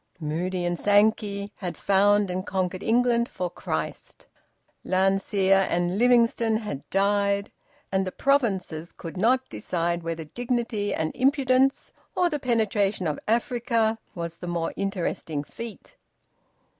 Moody and Sankey had found and conquered England for Christ. Landseer and Livingstone had died, and the provinces could not decide whether "Dignity and Impudence" or the penetration of Africa was the more interesting feat.